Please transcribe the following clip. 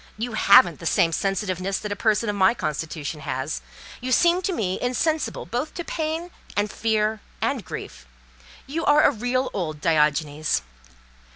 You haven't the same sensitiveness that a person of my constitution has. You seem to me insensible both to pain and fear and grief. You are a real old Diogenes.